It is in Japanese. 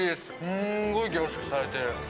すんごい凝縮されてる。